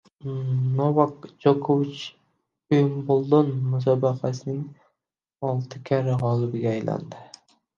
Novak Jokovich Uimbldon musobaqasiningoltikarra g‘olibiga aylandi